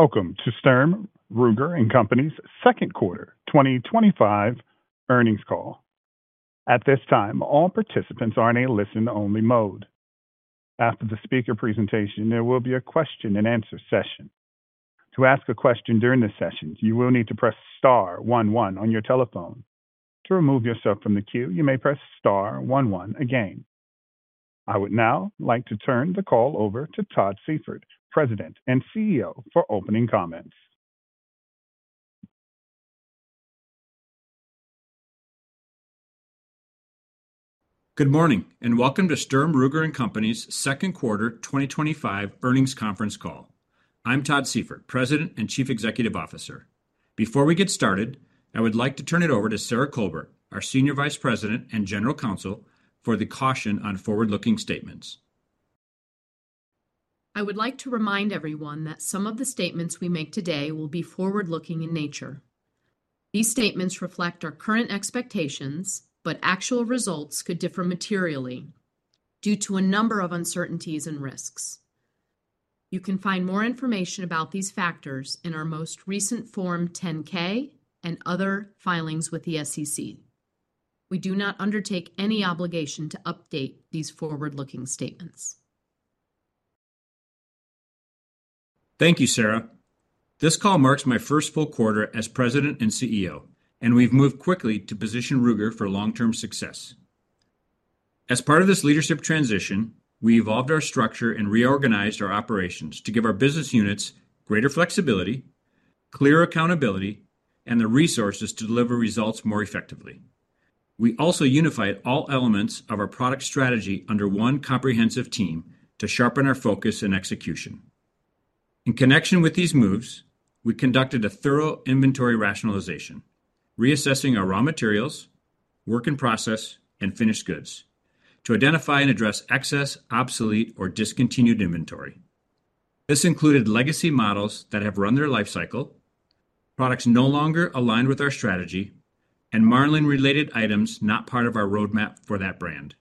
Welcome to Sturm, Ruger & Company's second quarter 2025 earnings call. At this time, all participants are in a listen-only mode. After the speaker presentation, there will be a question and answer session. To ask a question during this session, you will need to press Star one one on your telephone. To remove yourself from the queue, you may press Star one one again. I would now like to turn the call over to Todd Seyfert, President and CEO, for opening comments. Good morning and welcome to Sturm, Ruger & Company's second quarter 2025 earnings conference call. I'm Todd Seyfert, President and Chief Executive Officer. Before we get started, I would like to turn it over to Sarah F. Colbert, our Senior Vice President and General Counsel, for the caution on forward-looking statements. I would like to remind everyone that some of the statements we make today will be forward-looking in nature. These statements reflect our current expectations, but actual results could differ materially due to a number of uncertainties and risks. You can find more information about these factors in our most recent Form 10-K and other filings with the SEC. We do not undertake any obligation to update these forward-looking statements. Thank you, Sarah. This call marks my first full quarter as President and CEO, and we've moved quickly to position Ruger for long-term success. As part of this leadership transition, we evolved our structure and reorganized our operations to give our business units greater flexibility, clearer accountability, and the resources to deliver results more effectively. We also unified all elements of our product strategy under one comprehensive team to sharpen our focus and execution. In connection with these moves, we conducted a thorough inventory review, reassessing our raw materials, work-in-process, and finished goods to identify and address excess, obsolete, or discontinued inventory. This included legacy models that have run their lifecycle, products no longer aligned with our strategy, and Marlin-related items not part of our roadmap for that brand.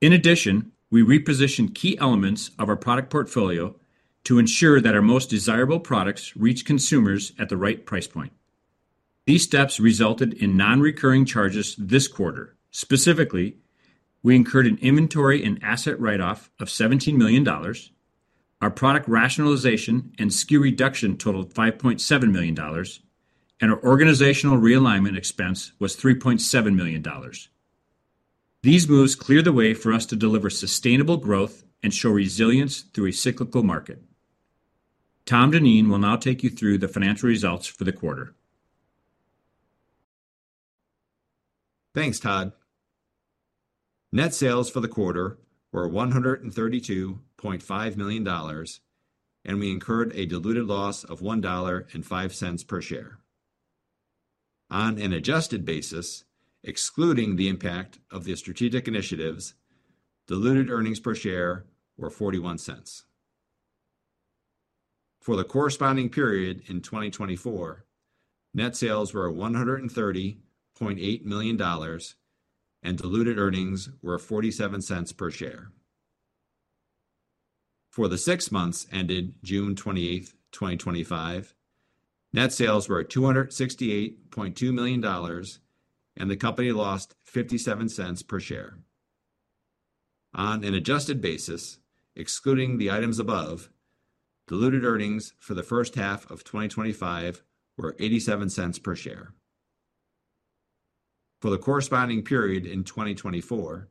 In addition, we repositioned key elements of our product portfolio to ensure that our most desirable products reach consumers at the right price point. These steps resulted in non-recurring charges this quarter. Specifically, we incurred an inventory and asset write-off of $17 million. Our product portfolio rationalization and SKU reduction totaled $5.7 million, and our organizational realignment expense was $3.7 million. These moves cleared the way for us to deliver sustainable growth and show resilience through a cyclical market. Tom Dineen will now take you through the financial results for the quarter. Thanks, Todd. Net sales for the quarter were $132.5 million, and we incurred a diluted loss of $1.05 per share. On an adjusted basis, excluding the impact of the strategic initiatives, diluted earnings per share were $0.41. For the corresponding period in 2024, net sales were $130.8 million, and diluted earnings were $0.47 per share. For the six months ended June 28, 2025, net sales were $268.2 million, and the company lost $0.57 per share. On an adjusted basis, excluding the items above, diluted earnings for the first half of 2025 were $0.87 per share. For the corresponding period in 2024,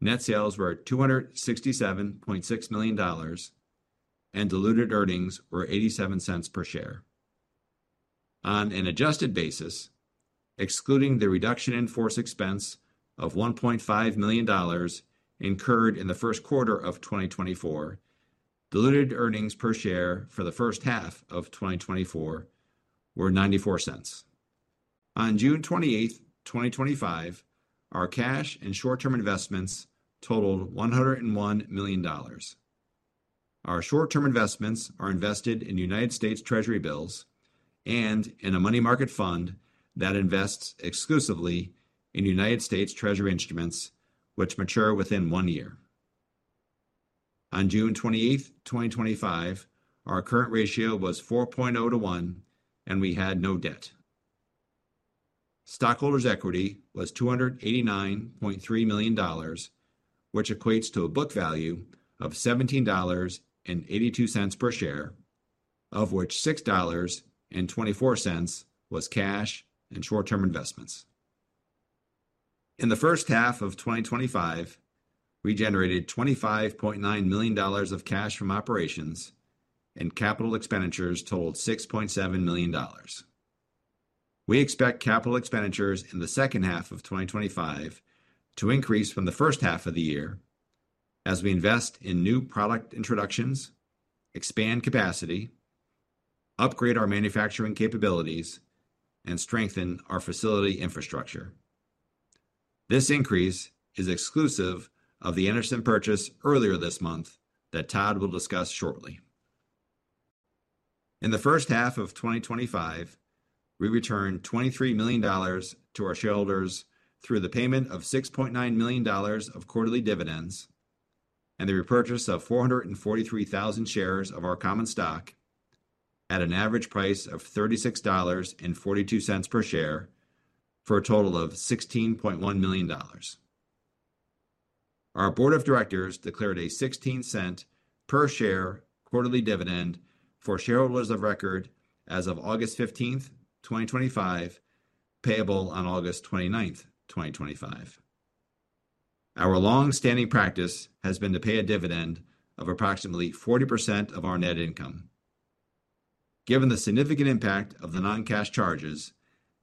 net sales were $267.6 million, and diluted earnings were $0.87 per share. On an adjusted basis, excluding the reduction in force expense of $1.5 million incurred in the first quarter of 2024, diluted earnings per share for the first half of 2024 were $0.94. On June 28, 2025, our cash and short-term investments totaled $101 million. Our short-term investments are invested in United States Treasury bills and in a money market fund that invests exclusively in United States Treasury instruments, which mature within one year. On June 28, 2025, our current ratio was 4.0:1, and we had no debt. Stockholders' equity was $289.3 million, which equates to a book value of $17.82 per share, of which $6.24 was cash and short-term investments. In the first half of 2025, we generated $25.9 million of cash from operations, and capital expenditures totaled $6.7 million. We expect capital expenditures in the second half of 2025 to increase from the first half of the year as we invest in new product introductions, expand capacity, upgrade our manufacturing capabilities, and strengthen our facility infrastructure. This increase is exclusive of the Anderson purchase earlier this month that Todd will discuss shortly. In the first half of 2025, we returned $23 million to our shareholders through the payment of $6.9 million of quarterly dividends and the repurchase of 443,000 shares of our common stock at an average price of $36.42 per share for a total of $16.1 million. Our Board of Directors declared a $0.16 per share quarterly dividend for shareholders of record as of August 15th, 2025, payable on August 29, 2025. Our long-standing practice has been to pay a dividend of approximately 40% of our net income. Given the significant impact of the non-cash charges,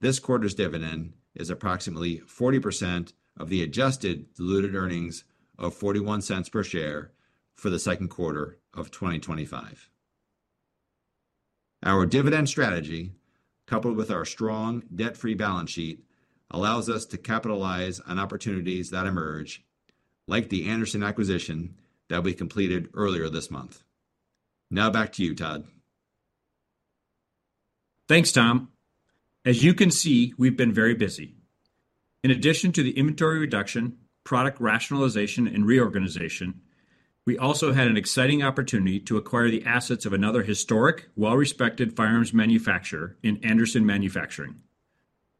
this quarter's dividend is approximately 40% of the adjusted diluted earnings of $0.41 per share for the second quarter of 2025. Our dividend strategy, coupled with our strong debt-free balance sheet, allows us to capitalize on opportunities that emerge, like the Anderson acquisition that we completed earlier this month. Now back to you, Todd. Thanks, Tom. As you can see, we've been very busy. In addition to the inventory reduction, product portfolio rationalization, and reorganization, we also had an exciting opportunity to acquire the assets of another historic, well-respected firearms manufacturer in Anderson Manufacturing.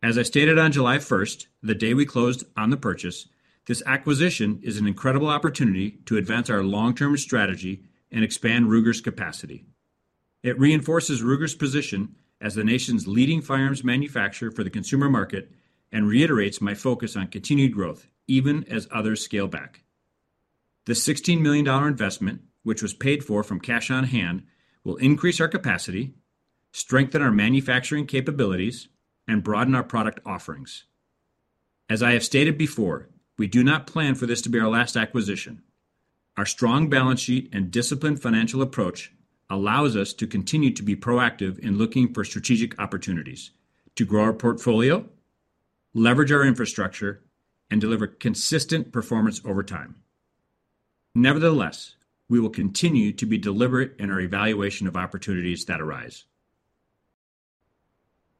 As I stated on July 1st, the day we closed on the purchase, this acquisition is an incredible opportunity to advance our long-term strategy and expand Ruger's capacity. It reinforces Ruger's position as the nation's leading firearms manufacturer for the consumer market and reiterates my focus on continued growth, even as others scale back. The $16 million investment, which was paid for from cash on hand, will increase our capacity, strengthen our manufacturing capabilities, and broaden our product offerings. As I have stated before, we do not plan for this to be our last acquisition. Our strong balance sheet and disciplined financial approach allow us to continue to be proactive in looking for strategic opportunities to grow our portfolio, leverage our infrastructure, and deliver consistent performance over time. Nevertheless, we will continue to be deliberate in our evaluation of opportunities that arise.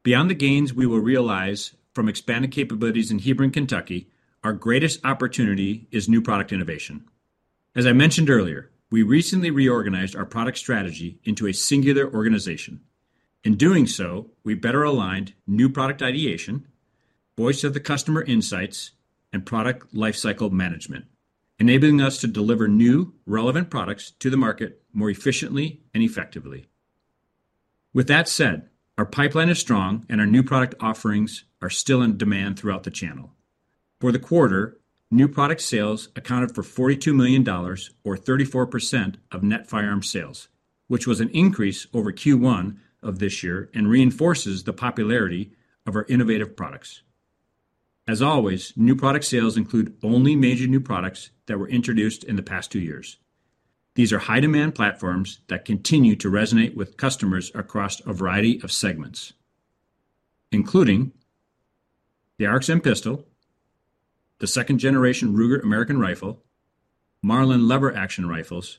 Beyond the gains we will realize from expanding capabilities in Hebron, Kentucky, our greatest opportunity is new product innovation. As I mentioned earlier, we recently reorganized our product strategy into a singular organization. In doing so, we better aligned new product ideation, voice of the customer insights, and product lifecycle management, enabling us to deliver new, relevant products to the market more efficiently and effectively. With that said, our pipeline is strong and our new product offerings are still in demand throughout the channel. For the quarter, new product sales accounted for $42 million, or 34% of net firearm sales, which was an increase over Q1 of this year and reinforces the popularity of our innovative products. As always, new product sales include only major new products that were introduced in the past two years. These are high-demand platforms that continue to resonate with customers across a variety of segments, including the ARXM pistol, the Ruger American Generation 2 rifles, Marlin lever-action rifles,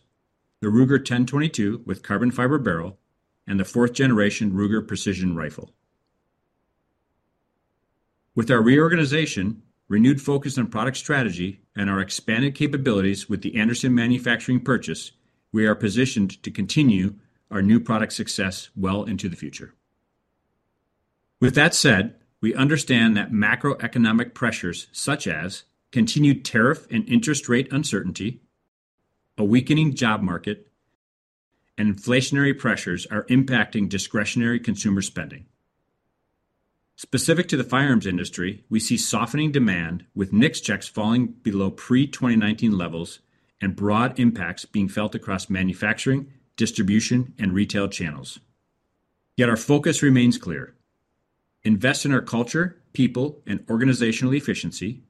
the Ruger 10/22 with carbon fiber barrel, and the fourth-generation Ruger Precision Rifle. With our reorganization, renewed focus on product strategy, and our expanded capabilities with the Anderson Manufacturing purchase, we are positioned to continue our new product success well into the future. With that said, we understand that macroeconomic pressures such as continued tariff and interest rate uncertainty, a weakening job market, and inflationary pressures are impacting discretionary consumer spending. Specific to the firearms industry, we see softening demand with NICS checks falling below pre-2019 levels and broad impacts being felt across manufacturing, distribution, and retail channels. Yet our focus remains clear: invest in our culture, people, and organizational efficiency,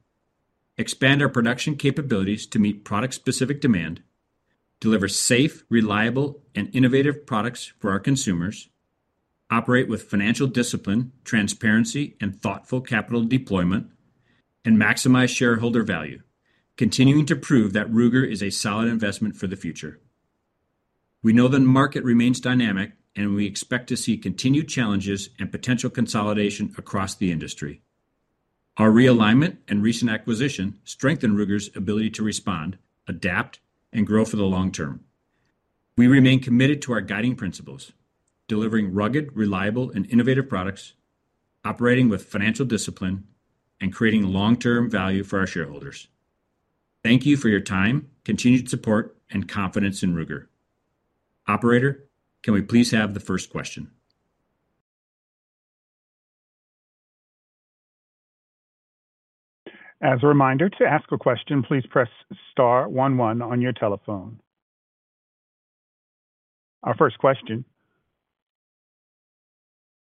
expand our production capabilities to meet product-specific demand, deliver safe, reliable, and innovative products for our consumers, operate with financial discipline, transparency, and thoughtful capital deployment, and maximize shareholder value, continuing to prove that Ruger is a solid investment for the future. We know the market remains dynamic, and we expect to see continued challenges and potential consolidation across the industry. Our realignment and recent acquisition strengthen Ruger's ability to respond, adapt, and grow for the long term. We remain committed to our guiding principles, delivering rugged, reliable, and innovative products, operating with financial discipline, and creating long-term value for our shareholders. Thank you for your time, continued support, and confidence in Ruger. Operator, can we please have the first question? As a reminder, to ask a question, please press Star one one on your telephone. Our first question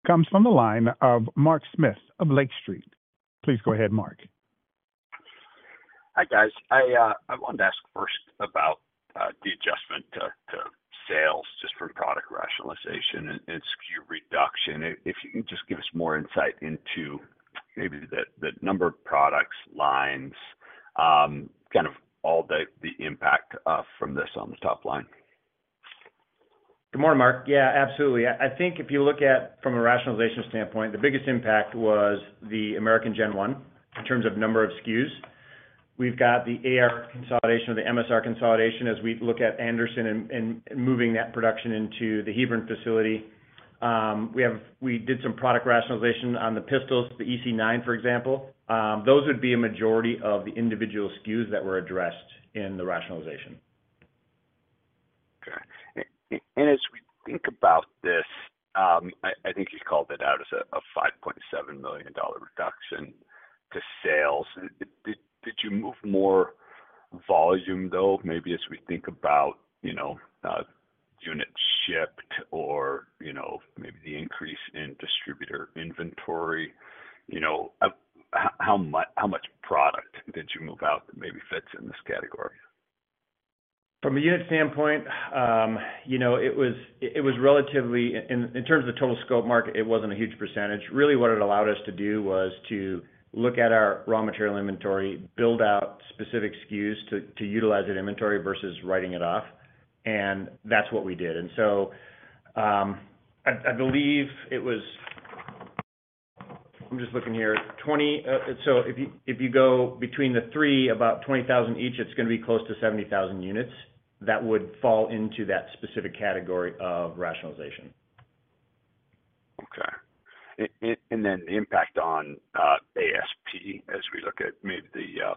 comes from the line of Mark Smith of Lake Street. Please go ahead, Mark. Hi, guys. I wanted to ask first about the adjustment to sales just from product portfolio rationalization and SKU reduction. If you can just give us more insight into maybe the number of products, lines, kind of all the impact from this on the top line. Good morning, Mark. Yeah, absolutely. I think if you look at, from a rationalization standpoint, the biggest impact was the American Gen 1 in terms of number of SKUs. We've got the AR consolidation or the MSR consolidation as we look at Anderson and moving that production into the Hebron facility. We did some product rationalization on the pistols, the EC9, for example. Those would be a majority of the individual SKUs that were addressed in the rationalization. As we think about this, I think you called it out as a $5.7 million reduction to sales. Did you move more volume, though, maybe as we think about, you know, units shipped or maybe the increase in distributor inventory? How much product did you move out that maybe fits in this category? From a unit standpoint, you know, it was relatively, in terms of the total scope market, it wasn't a huge percentage. Really, what it allowed us to do was to look at our raw material inventory, build out specific SKUs to utilize that inventory versus writing it off. That's what we did. I believe it was, I'm just looking here, 20,000 so if you go between the three, about 20,000 each, it's going to be close to 70,000 units that would fall into that specific category of rationalization. Okay. The impact on ASP, as we look at maybe the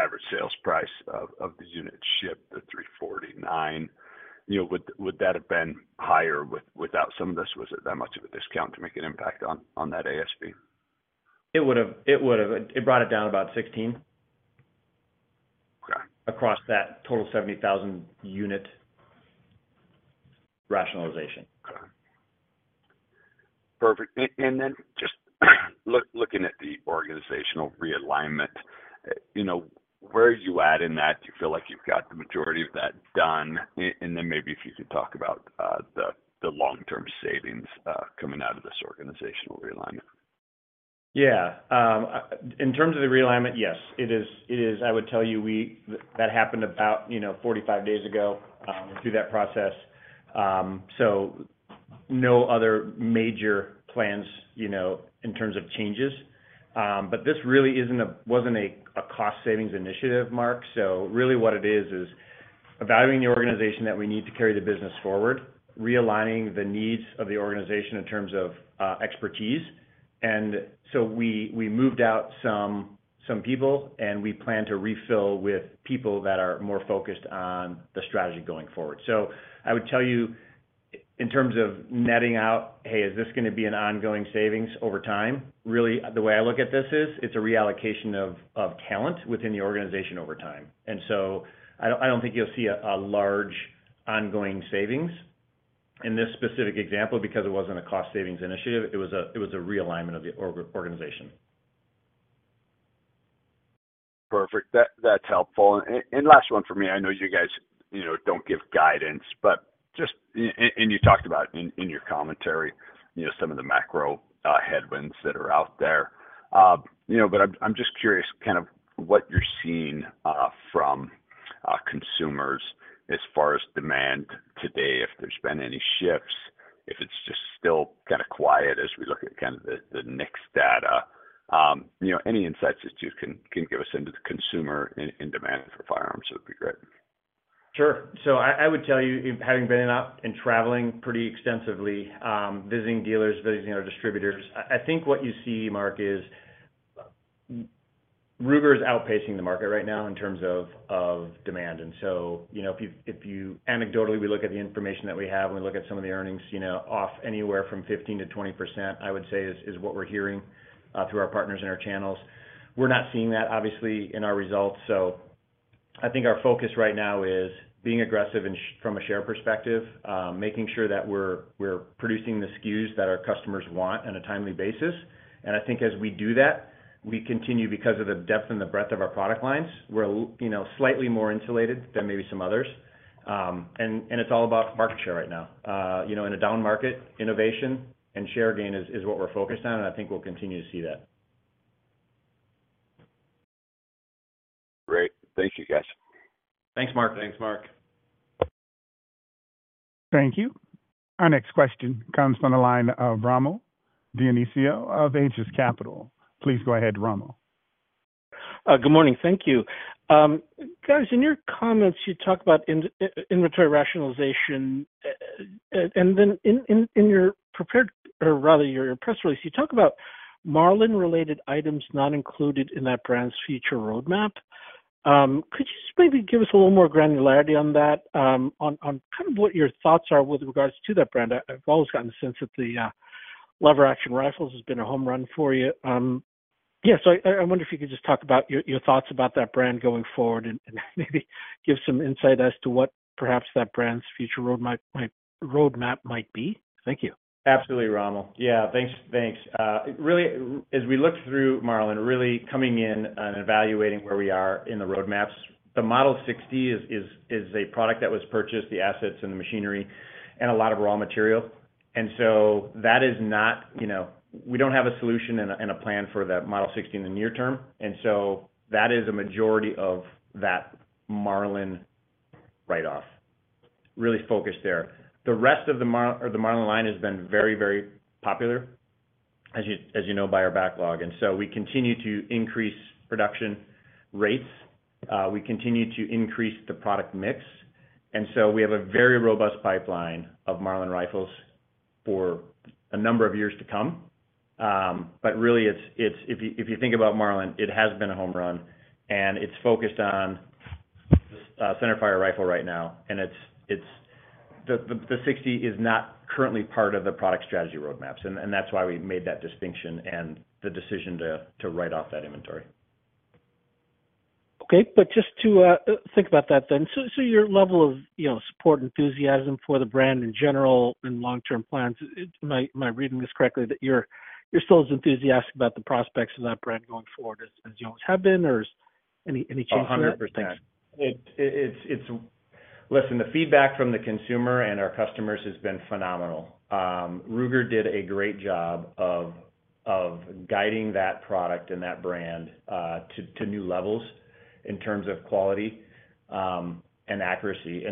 average sales price of the unit shipped at $349, would that have been higher without some of this? Was it that much of a discount to make an impact on that ASP? It would have brought it down about $16,000 across that total 70,000 unit rationalization. Okay. Perfect. Just looking at the organizational realignment, where are you at in that? Do you feel like you've got the majority of that done? Maybe if you could talk about the long-term savings coming out of this organizational realignment. Yeah. In terms of the realignment, yes, it is. I would tell you that happened about 45 days ago through that process. No other major plans in terms of changes. This really wasn't a cost-savings initiative, Mark. What it is, is evaluating the organization that we need to carry the business forward, realigning the needs of the organization in terms of expertise. We moved out some people, and we plan to refill with people that are more focused on the strategy going forward. I would tell you, in terms of netting out, hey, is this going to be an ongoing savings over time? Really, the way I look at this is, it's a reallocation of talent within the organization over time. I don't think you'll see a large ongoing savings in this specific example because it wasn't a cost-savings initiative. It was a realignment of the organization. Perfect. That's helpful. Last one for me, I know you guys don't give guidance, but just, and you talked about in your commentary, some of the macro headwinds that are out there. I'm just curious, kind of what you're seeing from consumers as far as demand today, if there's been any shifts, if it's just still kind of quiet as we look at the NICS data. Any insights that you can give us into the consumer in demand for firearms would be great. Sure. I would tell you, having been out and traveling pretty extensively, visiting dealers, visiting our distributors, I think what you see, Mark, is Ruger is outpacing the market right now in terms of demand. If you anecdotally, we look at the information that we have and we look at some of the earnings, off anywhere from 15%-20%, I would say is what we're hearing through our partners and our channels. We're not seeing that, obviously, in our results. I think our focus right now is being aggressive from a share perspective, making sure that we're producing the SKUs that our customers want on a timely basis. I think as we do that, we continue because of the depth and the breadth of our product lines, we're slightly more insulated than maybe some others. It's all about market share right now. In a down market, innovation and share gain is what we're focused on, and I think we'll continue to see that. Great. Thank you, guys. Thanks, Mark. Thanks, Mark. Thank you. Our next question comes from the line of Rommel Dionisio of Aegis Capital. Please go ahead, Rommel. Good morning. Thank you. In your comments, you talk about inventory rationalization. In your press release, you talk about Marlin-related items not included in that brand's future roadmap. Could you just maybe give us a little more granularity on that, on kind of what your thoughts are with regards to that brand? I've always gotten the sense that the Marlin lever-action rifles has been a home run for you. I wonder if you could just talk about your thoughts about that brand going forward and maybe give some insight as to what perhaps that brand's future roadmap might be. Thank you. Absolutely, Rommel. Yeah, thanks. Really, as we looked through Marlin, really coming in and evaluating where we are in the roadmaps, the Model 60 is a product that was purchased, the assets and the machinery, and a lot of raw material. That is not, you know, we don't have a solution and a plan for that Model 60 in the near-term. That is a majority of that Marlin write-off, really focused there. The rest of the Marlin line has been very, very popular, as you know, by our backlog. We continue to increase production rates. We continue to increase the product mix. We have a very robust pipeline of Marlin rifles for a number of years to come. Really, if you think about Marlin, it has been a home run. It's focused on the centerfire rifle right now. The 60 is not currently part of the product strategy roadmaps. That's why we made that distinction and the decision to write off that inventory. Okay, just to think about that then. Your level of support and enthusiasm for the brand in general and long-term plans, am I reading this correctly that you're still as enthusiastic about the prospects of that brand going forward as you always have been, or is any change? 100%. Listen, the feedback from the consumer and our customers has been phenomenal. Ruger did a great job of guiding that product and that brand to new levels in terms of quality and accuracy.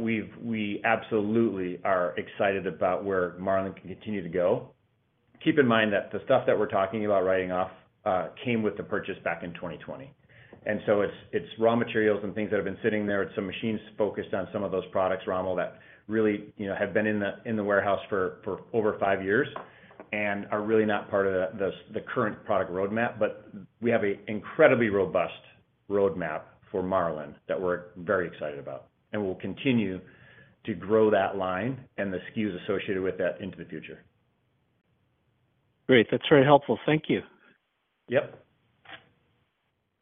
We absolutely are excited about where Marlin can continue to go. Keep in mind that the stuff that we're talking about writing off came with the purchase back in 2020. It's raw materials and things that have been sitting there. It's some machines focused on some of those products, Rommel, that really have been in the warehouse for over five years and are really not part of the current product roadmap. We have an incredibly robust roadmap for Marlin that we're very excited about. We'll continue to grow that line and the SKUs associated with that into the future. Great. That's very helpful. Thank you. Yep.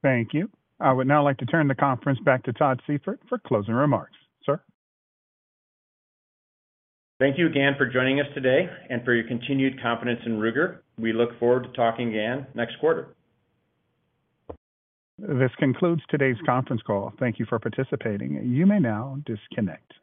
Thank you. I would now like to turn the conference back to Todd Seyfert for closing remarks, sir. Thank you again for joining us today and for your continued confidence in Sturm, Ruger & Company. We look forward to talking again next quarter. This concludes today's conference call. Thank you for participating. You may now disconnect.